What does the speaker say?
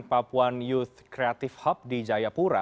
papuan youth creative hub di jayapura